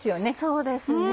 そうですね。